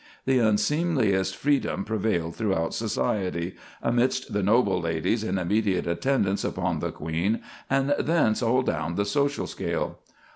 The unseemliest freedom prevailed throughout society—amidst the noble ladies in immediate attendance upon the queen, and thence all down the social scale.